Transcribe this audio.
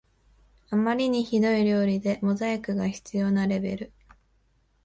あまりにひどい料理でモザイクが必要なレベル